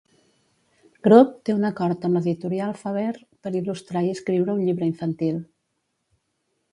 Crook té un acord amb l'editorial Faber per il·lustrar i escriure un llibre infantil.